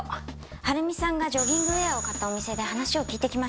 晴美さんがジョギングウェアを買ったお店で話を聞いてきました。